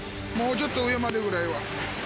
もうちょっと上までぐらいは。